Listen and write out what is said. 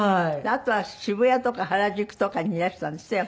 あとは渋谷とか原宿とかにいらしたんですって？